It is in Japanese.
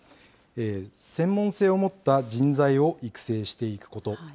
専門性を持った人材を育成していくこと。